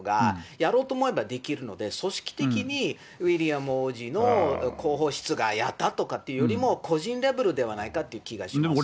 やろうと思えばできるので、組織的にウィリアム王子の広報室がやったとかというよりも、個人レベルではないかという気がしますね。